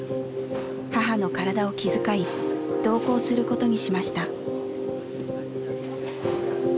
母の体を気遣い同行することにしました。